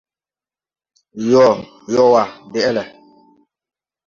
Yo / Yowa Deʼele :